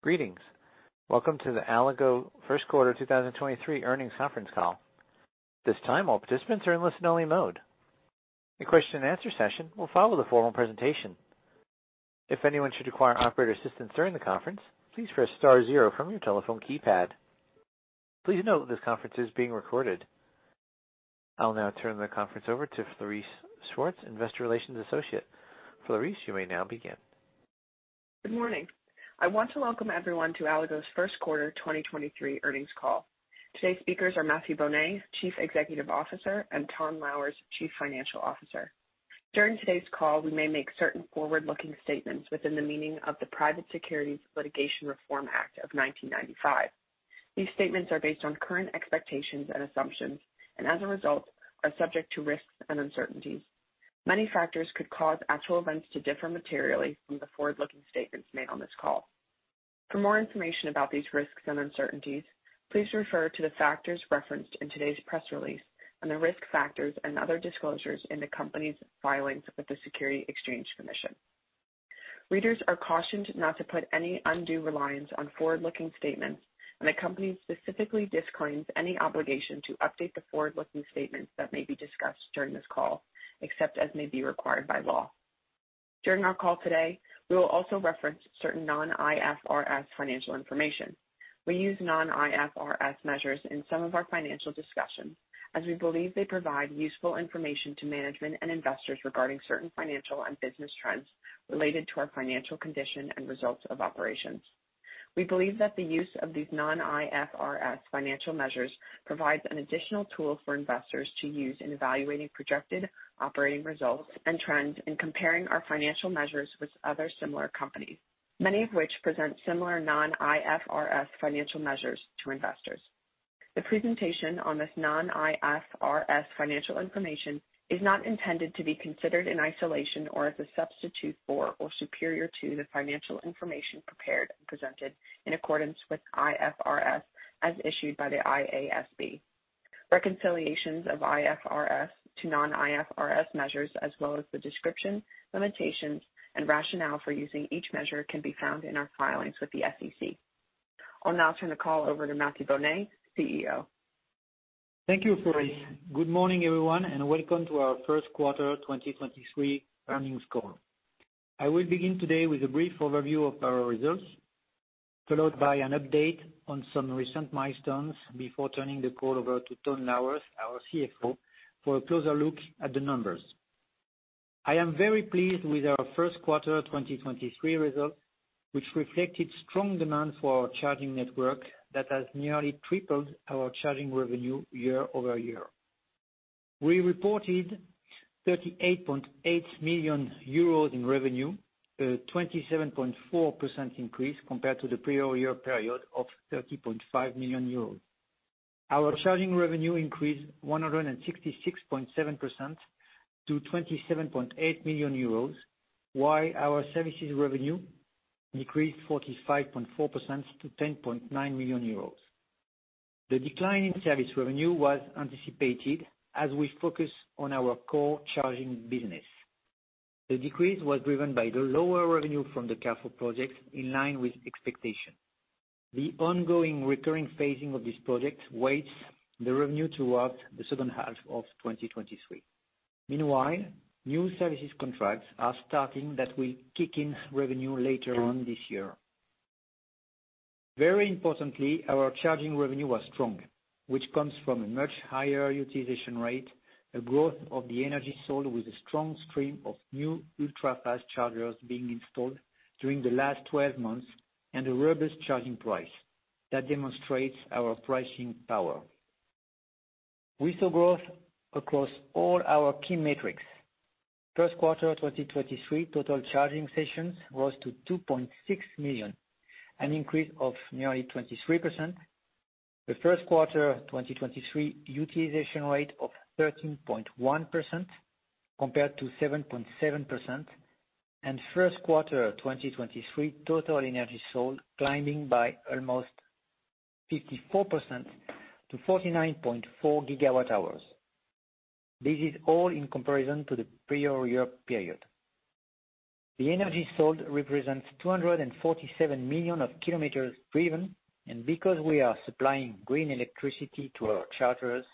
Greetings. Welcome to the Allego Q1 2023 earnings conference call. This time, all participants are in listen-only mode. A question and answer session will follow the formal presentation. If anyone should require operator assistance during the conference, please press star 0 from your telephone keypad. Please note that this conference is being recorded. I'll now turn the conference over to Clarice Schwartz, investor relations associate. Clarice, you may now begin. Good morning. I want to welcome everyone to Allego's Q1 2023 earnings call. Today's speakers are Mathieu Bonnet, Chief Executive Officer, and Ton Louwers, Chief Financial Officer. During today's call, we may make certain forward-looking statements within the meaning of the Private Securities Litigation Reform Act of 1995. These statements are based on current expectations and assumptions, and as a result, are subject to risks and uncertainties. Many factors could cause actual events to differ materially from the forward-looking statements made on this call. For more information about these risks and uncertainties, please refer to the factors referenced in today's press release and the risk factors and other disclosures in the company's filings with the Security Exchange Commission. Readers are cautioned not to put any undue reliance on forward-looking statements. The company specifically disclaims any obligation to update the forward-looking statements that may be discussed during this call, except as may be required by law. During our call today, we will also reference certain non-IFRS financial information. We use non-IFRS measures in some of our financial discussions, as we believe they provide useful information to management and investors regarding certain financial and business trends related to our financial condition and results of operations. We believe that the use of these non-IFRS financial measures provides an additional tool for investors to use in evaluating projected operating results and trends, in comparing our financial measures with other similar companies, many of which present similar non-IFRS financial measures to investors. The presentation on this non-IFRS financial information is not intended to be considered in isolation or as a substitute for or superior to the financial information prepared and presented in accordance with IFRS, as issued by the IASB. Reconciliations of IFRS to non-IFRS measures, as well as the description, limitations, and rationale for using each measure, can be found in our filings with the SEC. I'll now turn the call over to Mathieu Bonnet, CEO. Thank you, Clarice. Good morning, everyone, and welcome to our Q1 2023 earnings call. I will begin today with a brief overview of our results, followed by an update on some recent milestones before turning the call over to Ton Louwers, our CFO, for a closer look at the numbers. I am very pleased with our Q1 2023 results, which reflected strong demand for our charging network that has nearly tripled our charging revenue year-over-year. We reported 38.8 million euros in revenue, a 27.4% increase compared to the prior year period of 30.5 million euros. Our charging revenue increased 166.7% to 27.8 million euros, while our services revenue decreased 45.4% to 10.9 million euros. The decline in service revenue was anticipated as we focus on our core charging business. The decrease was driven by the lower revenue from the Carrefour project, in line with expectations. The ongoing recurring phasing of this project weights the revenue towards the second half of 2023. New services contracts are starting that will kick in revenue later on this year. Very importantly, our charging revenue was strong, which comes from a much higher utilization rate, a growth of the energy sold with a strong stream of new ultra-fast chargers being installed during the last 12 months, and a robust charging price that demonstrates our pricing power. We saw growth across all our key metrics. Q1 2023, total charging sessions rose to 2.6 million, an increase of nearly 23%. The Q1 2023 utilization rate of 13.1% compared to 7.7%, and Q1 2023, total energy sold climbing by almost 54% to 49.4 GW hours. This is all in comparison to the prior year period. The energy sold represents 247 million of kilometers driven, and because we are supplying green electricity to our chargers,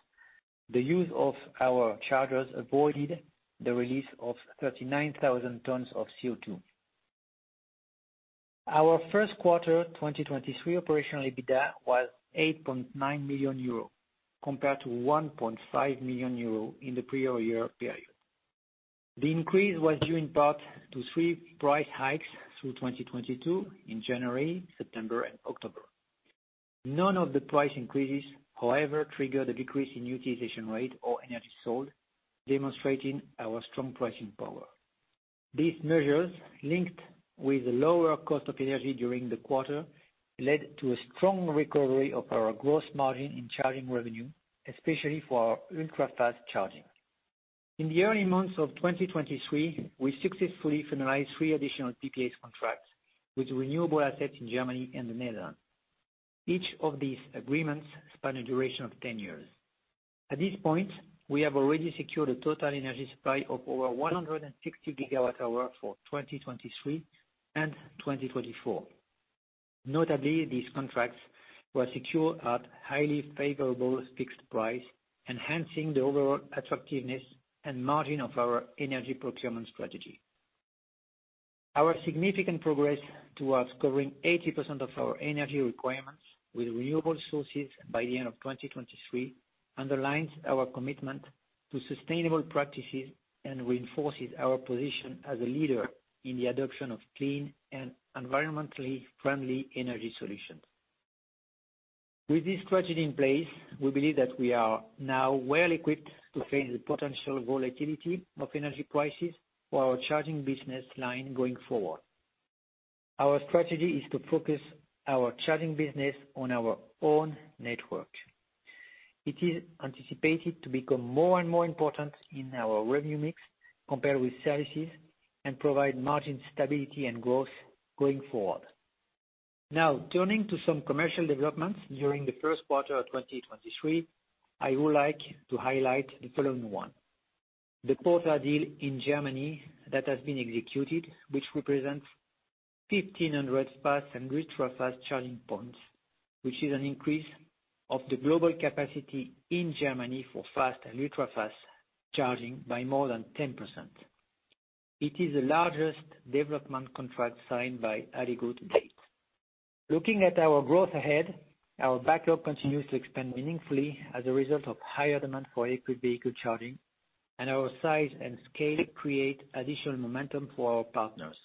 the use of our chargers avoided the release of 39,000 tons of CO2. Our Q1 2023 operational EBITDA was 8.9 million euro, compared to 1.5 million euro in the prior year period. The increase was due in part to three price hikes through 2022 in January, September and October. None of the price increases, however, triggered a decrease in utilization rate or energy sold, demonstrating our strong pricing power. These measures, linked with the lower cost of energy during the quarter, led to a strong recovery of our gross margin in charging revenue, especially for our ultra-fast charging. In the early months of 2023, we successfully finalized three additional PPA contracts with renewable assets in Germany and the Netherlands. Each of these agreements span a duration of 10 years. At this point, we have already secured a total energy supply of over 160 GW hours for 2023 and 2024. Notably, these contracts were secured at highly favorable fixed price, enhancing the overall attractiveness and margin of our energy procurement strategy. Our significant progress towards covering 80% of our energy requirements with renewable sources by the end of 2023, underlines our commitment to sustainable practices and reinforces our position as a leader in the adoption of clean and environmentally friendly energy solutions. With this strategy in place, we believe that we are now well equipped to face the potential volatility of energy prices for our charging business line going forward. Our strategy is to focus our charging business on our own network. It is anticipated to become more and more important in our revenue mix compared with services, and provide margin stability and growth going forward. Turning to some commercial developments during the Q1 of 2023, I would like to highlight the following one: the quarter deal in Germany that has been executed, which represents 1,500 fast and ultra-fast charging points, which is an increase of the global capacity in Germany for fast and ultra-fast charging by more than 10%. It is the largest development contract signed by Allego to date. Looking at our growth ahead, our backlog continues to expand meaningfully as a result of higher demand for electric vehicle charging, and our size and scale create additional momentum for our partners.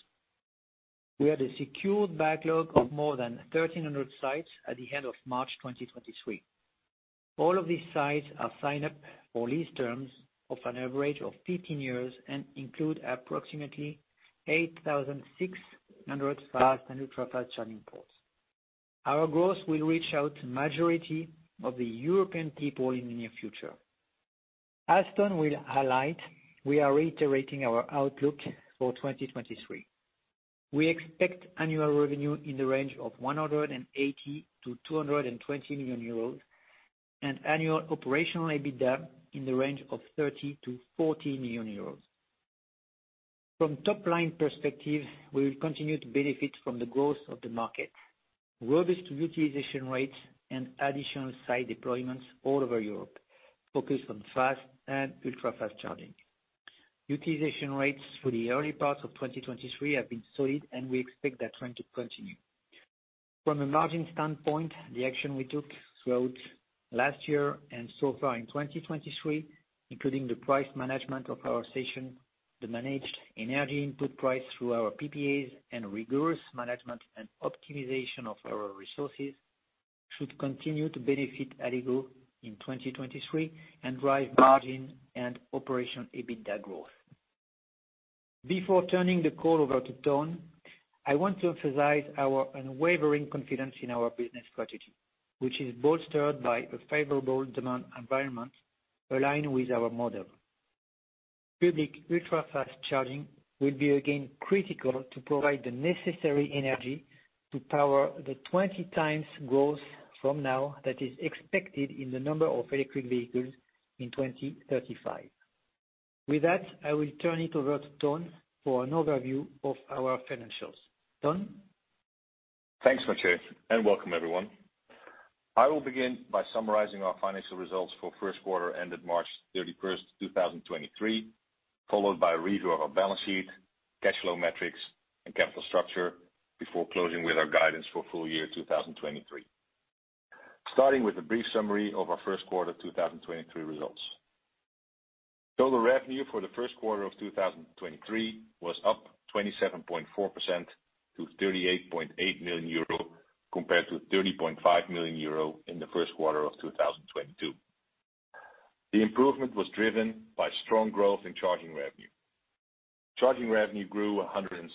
We had a secured backlog of more than 1,300 sites at the end of March 2023. All of these sites are signed up for lease terms of an average of 15 years and include approximately 8,600 fast and ultra-fast charging ports. Our growth will reach out to majority of the European people in the near future. As Ton will highlight, we are reiterating our outlook for 2023. We expect annual revenue in the range of 180 million-220 million euros, and annual operational EBITDA in the range of 30 million-40 million euros. From top-line perspective, we will continue to benefit from the growth of the market, robust utilization rates, and additional site deployments all over Europe, focused on fast and ultra-fast charging. Utilization rates for the early parts of 2023 have been solid. We expect that trend to continue. From a margin standpoint, the action we took throughout last year and so far in 2023, including the price management of our station, the managed energy input price through our PPAs, and rigorous management and optimization of our resources, should continue to benefit Allego in 2023 and drive margin and operational EBITDA growth. Before turning the call over to Ton, I want to emphasize our unwavering confidence in our business strategy, which is bolstered by a favorable demand environment aligned with our model. Public ultra-fast charging will be, again, critical to provide the necessary energy to power the 20 times growth from now that is expected in the number of electric vehicles in 2035. With that, I will turn it over to Ton for an overview of our financials. Ton? Thanks, Mathieu, welcome, everyone. I will begin by summarizing our financial results for Q1, ended March 31st, 2023, followed by a review of our balance sheet, cash flow metrics, and capital structure before closing with our guidance for full year 2023. Starting with a brief summary of our Q1 2023 results. Total revenue for the Q1 of 2023 was up 27.4% to 38.8 million euro, compared to 30.5 million euro in the Q1 of 2022. The improvement was driven by strong growth in charging revenue. Charging revenue grew 166.7%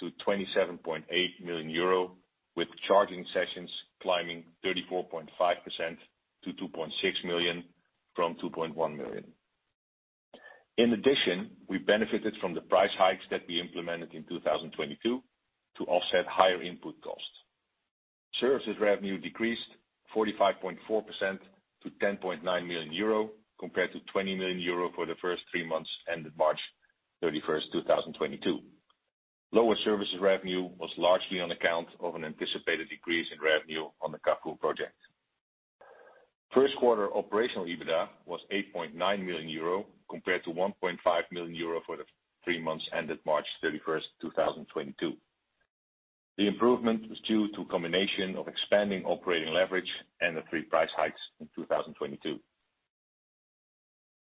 to EUR 27.8 million, with charging sessions climbing 34.5% to 2.6 million from 2.1 million. In addition, we benefited from the price hikes that we implemented in 2022 to offset higher input costs. Services revenue decreased 45.4% to 10.9 million euro, compared to 20 million euro for the first three months, ended March 31, 2022. Lower services revenue was largely on account of an anticipated decrease in revenue on the Carrefour project. Q1 operational EBITDA was 8.9 million euro, compared to 1.5 million euro for the three months, ended March 31, 2022. The improvement is due to a combination of expanding operating leverage and the three price hikes in 2022.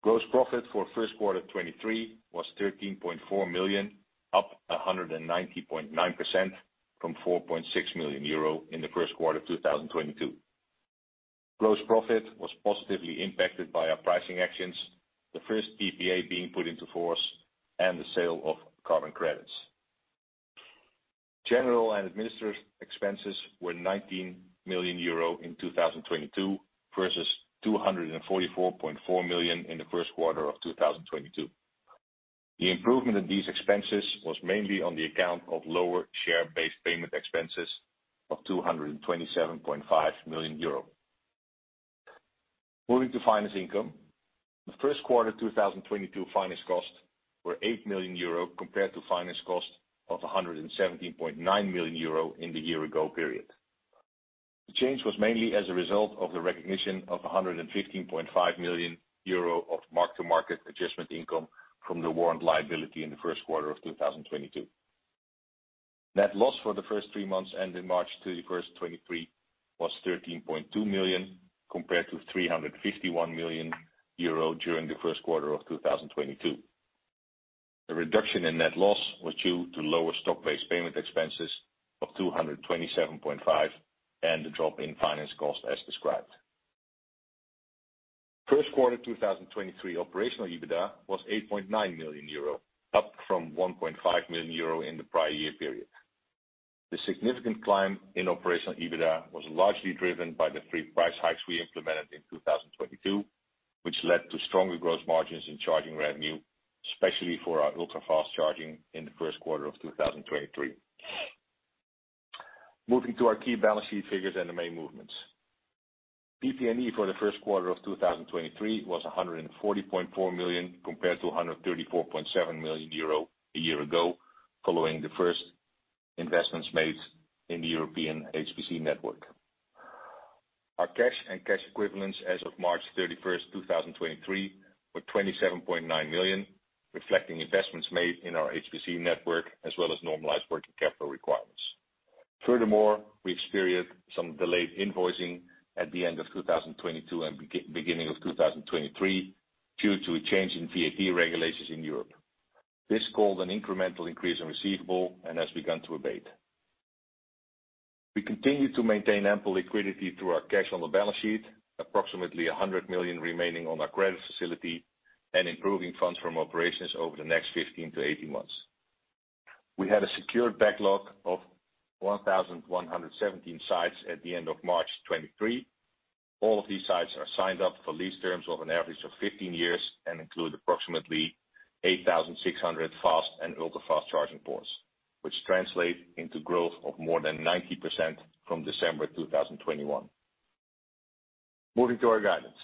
Gross profit for Q1 2023 was 13.4 million, up 190.9% from 4.6 million euro in the Q1 of 2022. Gross profit was positively impacted by our pricing actions, the first PPA being put into force, and the sale of carbon credits. General and administrative expenses were 19 million euro in 2022, versus 244.4 million in the Q1 of 2022. The improvement in these expenses was mainly on the account of lower share-based payment expenses of 227.5 million euro. Moving to finance income. The Q1 2022 finance costs were eight million euro, compared to finance costs of 117.9 million euro in the year ago period. The change was mainly as a result of the recognition of 115.5 million euro of mark-to-market adjustment income from the warrant liability in the Q1 of 2022. Net loss for the first three months, ending March 31, 2023, was 13.2 million, compared to 351 million euro during the Q1 of 2022. The reduction in net loss was due to lower stock-based payment expenses of 227.5, and the drop in finance cost, as described. Q1 2023 operational EBITDA was 8.9 million euro, up from 1.5 million euro in the prior year period. The significant climb in operational EBITDA was largely driven by the three price hikes we implemented in 2022, which led to stronger gross margins in charging revenue, especially for our ultrafast charging in the Q1 of 2023. Moving to our key balance sheet figures and the main movements. PP&E for the Q1 of 2023 was 140.4 million, compared to 134.7 million euro a year ago, following the first investments made in the European HPC network. Our cash and cash equivalents as of March 31st, 2023, were 27.9 million, reflecting investments made in our HPC network, as well as normalized working capital requirements. We experienced some delayed invoicing at the end of 2022 and beginning of 2023, due to a change in VAT regulations in Europe. This caused an incremental increase in receivable and has begun to abate. We continue to maintain ample liquidity through our cash on the balance sheet, approximately 100 million remaining on our credit facility, and improving funds from operations over the next 15-18 months. We had a secured backlog of 1,117 sites at the end of March 2023. All of these sites are signed up for lease terms of an average of 15 years and include approximately 8,600 fast and ultra-fast charging ports, which translate into growth of more than 90% from December 2021. Moving to our guidance.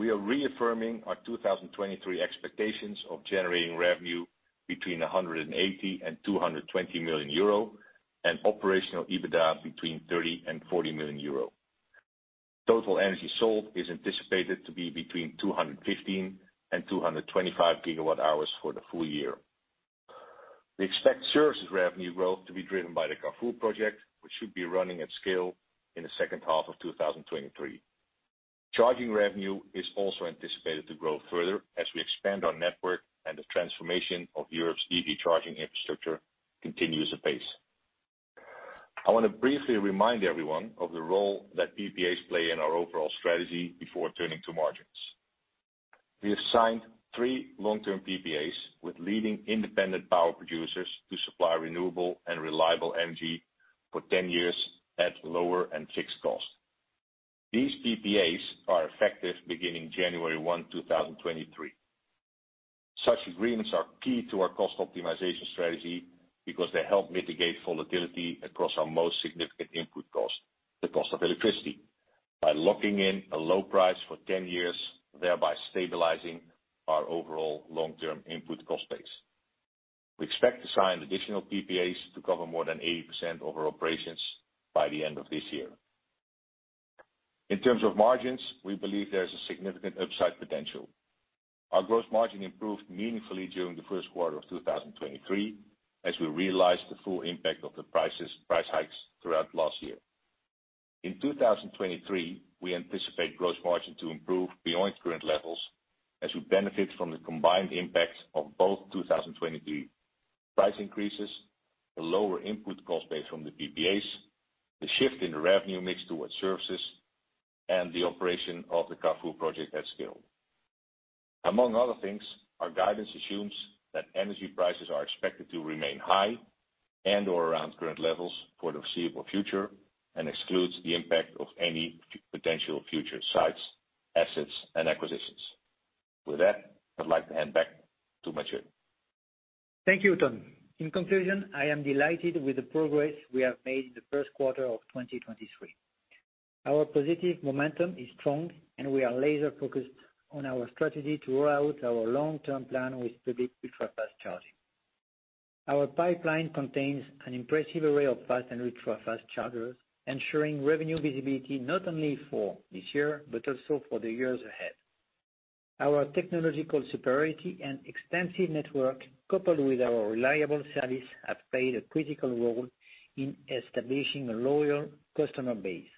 We are reaffirming our 2023 expectations of generating revenue between 180 million-200 million euro, and operational EBITDA between 30 million-40 million euro. Total energy sold is anticipated to be between 215 and 225 GWh for the full year. We expect services revenue growth to be driven by the Carrefour project, which should be running at scale in the second half of 2023. Charging revenue is also anticipated to grow further as we expand our network and the transformation of Europe's EV charging infrastructure continues apace. I want to briefly remind everyone of the role that PPAs play in our overall strategy before turning to margins. We have signed three long-term PPAs with leading independent power producers to supply renewable and reliable energy for 10 years at lower and fixed cost. These PPAs are effective beginning January 1, 2023. Such agreements are key to our cost optimization strategy, because they help mitigate volatility across our most significant input cost, the cost of electricity, by locking in a low price for 10 years, thereby stabilizing our overall long-term input cost base. We expect to sign additional PPAs to cover more than 80% of our operations by the end of this year. In terms of margins, we believe there is a significant upside potential. Our gross margin improved meaningfully during the Q1 of 2023, as we realized the full impact of the price hikes throughout last year. In 2023, we anticipate gross margin to improve beyond its current levels as we benefit from the combined impact of both 2023 price increases, the lower input cost base from the PPAs, the shift in the revenue mix towards services, and the operation of the Carrefour project at scale. Among other things, our guidance assumes that energy prices are expected to remain high and/or around current levels for the foreseeable future, and excludes the impact of any potential future sites, assets, and acquisitions. With that, I'd like to hand back to Mathieu. Thank you, Ton. In conclusion, I am delighted with the progress we have made in the Q1 of 2023. Our positive momentum is strong, and we are laser-focused on our strategy to roll out our long-term plan with public ultra-fast charging. Our pipeline contains an impressive array of fast and ultra-fast chargers, ensuring revenue visibility not only for this year, but also for the years ahead. Our technological superiority and extensive network, coupled with our reliable service, have played a critical role in establishing a loyal customer base.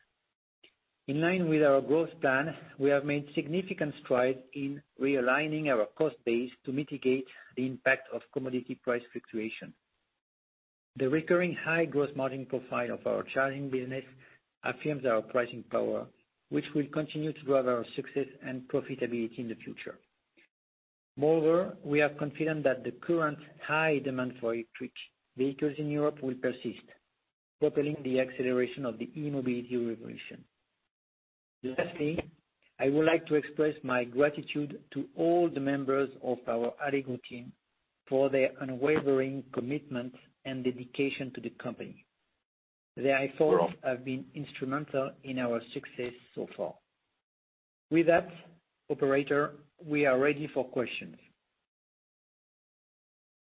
In line with our growth plan, we have made significant strides in realigning our cost base to mitigate the impact of commodity price fluctuation. The recurring high gross margin profile of our charging business affirms our pricing power, which will continue to drive our success and profitability in the future. We are confident that the current high demand for electric vehicles in Europe will persist, propelling the acceleration of the e-mobility revolution. I would like to express my gratitude to all the members of our Allego team for their unwavering commitment and dedication to the company. Their efforts have been instrumental in our success so far. With that, operator, we are ready for questions.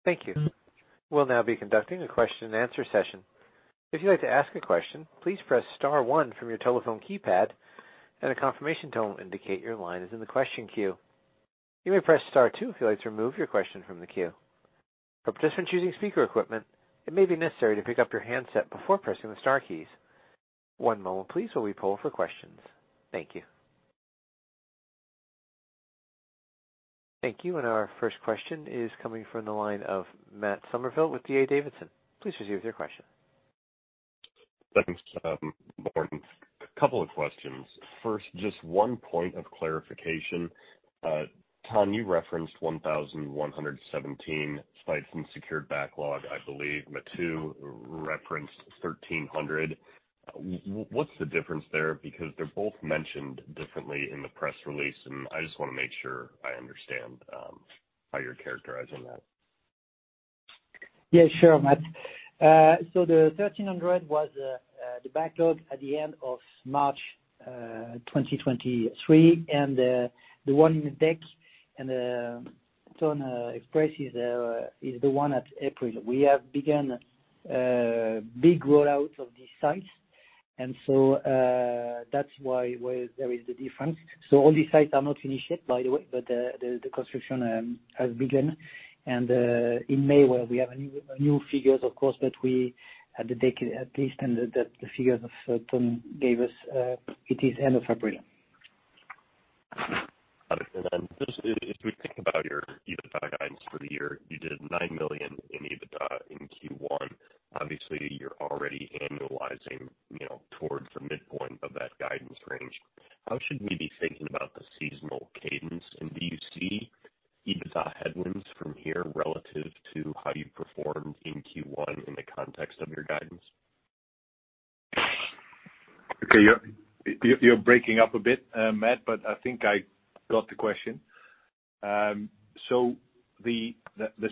Thank you. We'll now be conducting a question and answer session. If you'd like to ask a question, please press star one from your telephone keypad, and a confirmation tone will indicate your line is in the question queue. You may press star two if you'd like to remove your question from the queue. For participants using speaker equipment, it may be necessary to pick up your handset before pressing the star keys. One moment please, while we poll for questions. Thank you. Thank you. Our first question is coming from the line of Matt Summerville with D.A. Davidson. Please proceed with your question. Thanks, good morning. A couple of questions. First, just one point of clarification. Ton, you referenced 1,117 sites in secured backlog, I believe. Matthew referenced 1,300. What's the difference there? Because they're both mentioned differently in the press release, and I just want to make sure I understand how you're characterizing that. Sure, Matt. The 1,300 was the backlog at the end of March 2023. The one in the deck and Ton expressed is the one at April. We have begun a big rollout of these sites. That's why, where there is the difference. All these sites are not finished yet, by the way, but the construction has begun. In May, we have a new figures, of course, but we at the deck, at least, and the figures of Ton gave us, it is end of April. Got it. If we think about your EBITDA guidance for the year, you did nine million in EBITDA in Q1. Obviously, you're already annualizing, you know, towards the midpoint of that guidance range. How should we be thinking about the seasonal cadence? Do you see EBITDA headwinds from here relative to how you performed in Q1 in the context of your guidance? Okay, you're breaking up a bit, Matt, but I think I got the question. The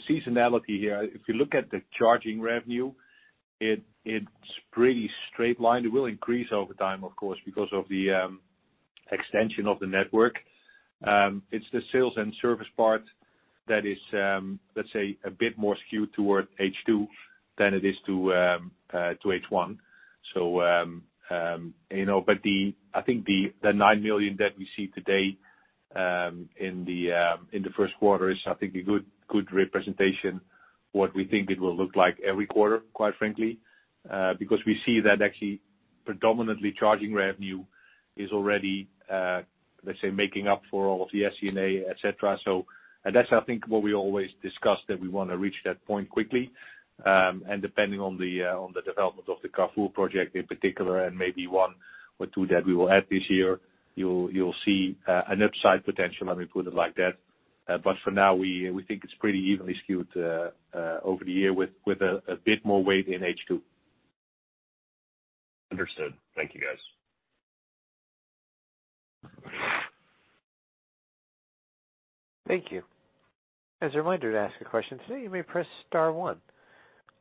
seasonality here, if you look at the charging revenue, it's pretty straight line. It will increase over time, of course, because of the extension of the network. It's the sales and service part that is, let's say, a bit more skewed towards H2 than it is to H1. You know, but I think the nine million that we see today, in the Q1 is, I think, a good representation what we think it will look like every quarter, quite frankly. We see that actually predominantly charging revenue is already, let's say, making up for all of the SG&A, etcetera. That's, I think, what we always discuss, that we want to reach that point quickly. Depending on the development of the Carrefour project in particular, and maybe one or two that we will add this year, you'll see an upside potential, let me put it like that. For now, we think it's pretty evenly skewed over the year with a bit more weight in H2. Understood. Thank you, guys. Thank you. As a reminder, to ask a question today, you may press star one.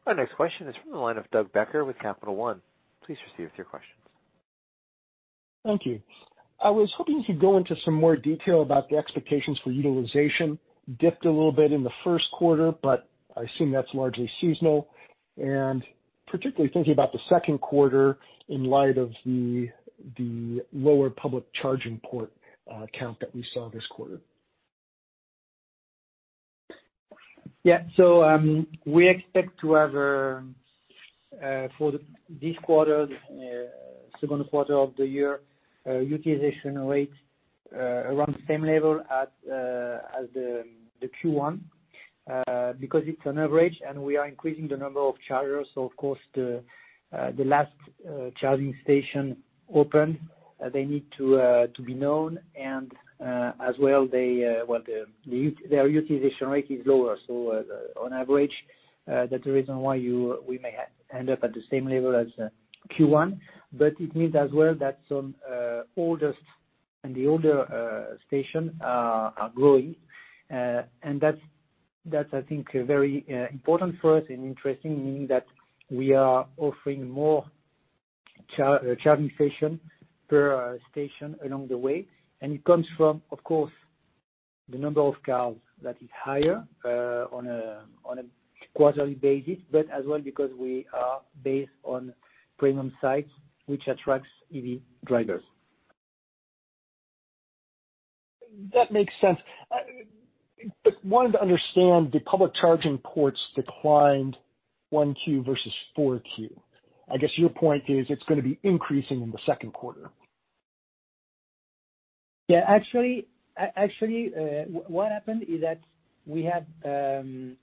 Our next question is from the line of Doug Becker with Capital One. Please proceed with your questions. Thank you. I was hoping you could go into some more detail about the expectations for utilization. Dipped a little bit in the Q1, but I assume that's largely seasonal, and particularly thinking about the second quarter in light of the lower public charging port count that we saw this quarter. We expect to have for the this quarter, second quarter of the year, utilization rate around the same level as the Q1, because it's an average, and we are increasing the number of chargers. Of course, the last charging station open, they need to be known, and as well, they, well, the their utilization rate is lower. On average, that's the reason why we may end up at the same level as Q1. It means as well, that some oldest and the older station are growing. And that's, I think, very important for us and interesting, meaning that we are offering more charging station per station along the way. It comes from, of course, the number of cars that is higher, on a quarterly basis, but as well, because we are based on premium sites, which attracts EV drivers. That makes sense. wanted to understand, the public charging ports declined 1Q versus 4Q. I guess your point is it's going to be increasing in the 2Q. Yeah, actually, what happened is that we had.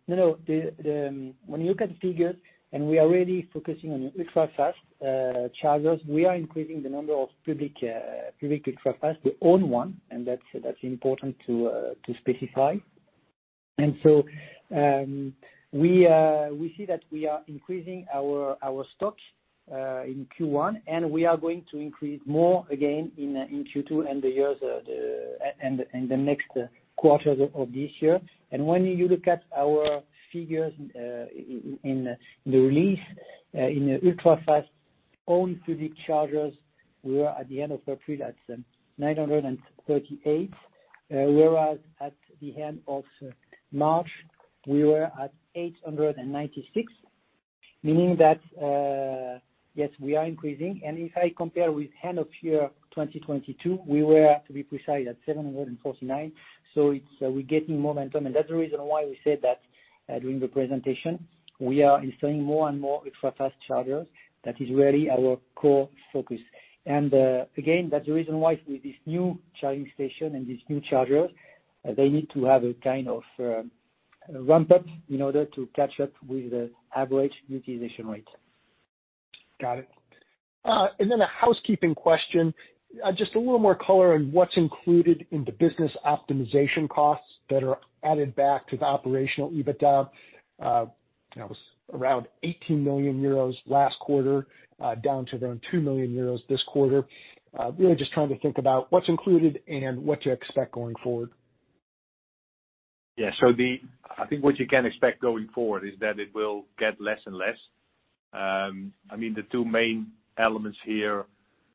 No, the, when you look at the figures, and we are really focusing on ultra-fast chargers, we are increasing the number of public ultra-fast. We own one, and that's important to specify. We see that we are increasing our stock in Q1, and we are going to increase more again in Q2 and the years, the next quarters of this year. When you look at our figures in the release in the ultra-fast own 3D chargers, we are at the end of February at 938. Whereas at the end of March, we were at 896, meaning that, yes, we are increasing. If I compare with end of year 2022, we were, to be precise, at 749. We're getting momentum, and that's the reason why we said that during the presentation, we are installing more and more ultrafast chargers. That is really our core focus. Again, that's the reason why with this new charging station and these new chargers, they need to have a kind of ramp up in order to catch up with the average utilization rate. Got it. A housekeeping question. Just a little more color on what's included in the business optimization costs that are added back to the operational EBITDA. That was around 18 million euros last quarter, down to around two million euros this quarter. Really just trying to think about what's included and what to expect going forward. I think what you can expect going forward is that it will get less and less. I mean, the two main elements here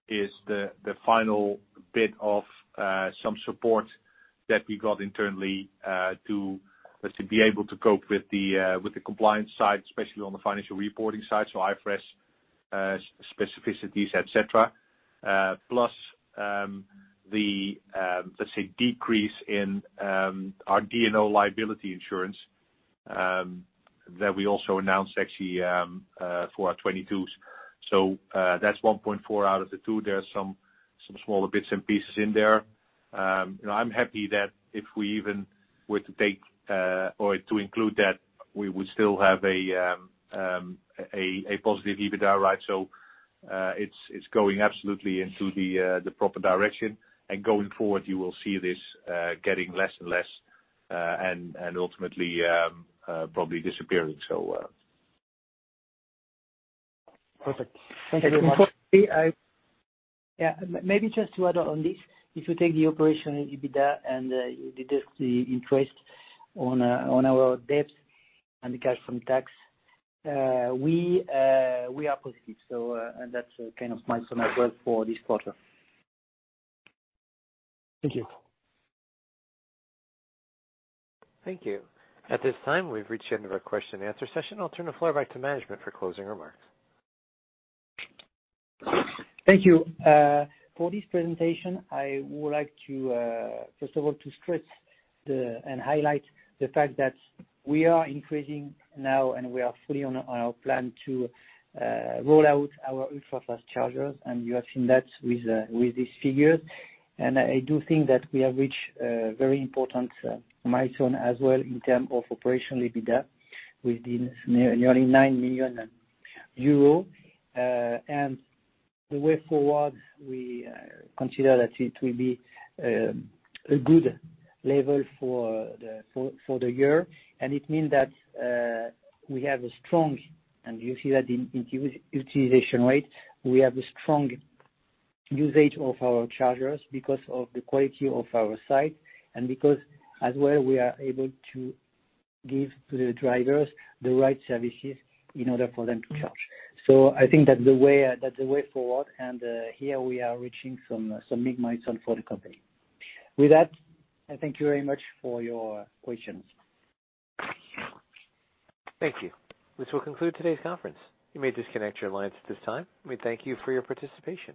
is the final bit of some support that we got internally to, let's say, be able to cope with the compliance side, especially on the financial reporting side, so IFRS specificities, et cetera. Plus, the, let's say, decrease in our D&O liability insurance that we also announced actually for our 2022s. That's 1.4 out of the 2. There are some smaller bits and pieces in there. You know, I'm happy that if we even were to take or to include that, we would still have a positive EBITDA, right? It's going absolutely into the proper direction. Going forward, you will see this, getting less and less, and ultimately, probably disappearing, so. Perfect. Thank you very much. Yeah. Maybe just to add on this, if you take the operational EBITDA and you deduct the interest on our debt and the cash from tax, we are positive. That's kind of milestone as well for this quarter. Thank you. Thank you. At this time, we've reached the end of our question and answer session. I'll turn the floor back to management for closing remarks. Thank you. For this presentation, I would like to first of all, to stress the, and highlight the fact that we are increasing now, and we are fully on our plan to roll out our ultrafast chargers, and you have seen that with these figures. I do think that we have reached a very important milestone as well in term of operational EBITDA, with the nearly 9 million euros. The way forward, we consider that it will be a good level for the year. It mean that, we have a strong, and you see that in utilization rate, we have a strong usage of our chargers because of the quality of our site and because as well, we are able to give to the drivers the right services in order for them to charge. I think that's the way, that's the way forward, and, here we are reaching some big milestone for the company. With that, I thank you very much for your questions. Thank you. This will conclude today's conference. You may disconnect your lines at this time. We thank you for your participation.